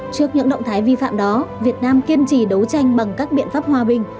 trước những động thái vi phạm đó việt nam kiên trì đấu tranh bằng các biện pháp hòa bình